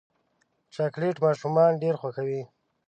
چاکلېټ ماشومان ډېر خوښوي.